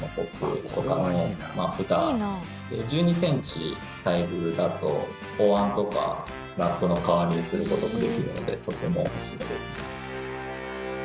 １２ｃｍのサイズだとおわんとかのラップの代わりにすることもできるのでとてもおすすめですね。